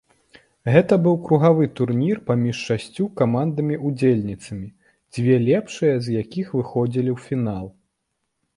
Гэта быў кругавы турнір паміж шасцю камандамі-ўдзельніцамі, дзве лепшыя з якіх выходзілі фінал.